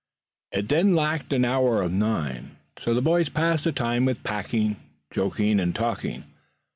It then lacked an hour of nine, so the boys passed the time with packing, joking and talking.